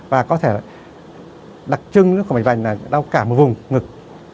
và có thể đặc trưng của mạch mạch là đau cả một vùng ngực